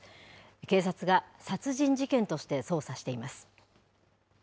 警察が殺人事件として捜査しています。